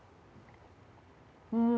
うん。